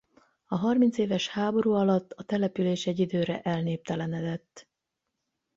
A harmincéves háború alatt a település egy időre elnéptelenedett.